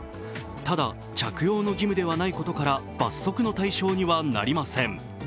ただ、着用の義務ではないことから罰則の対象にはなりません。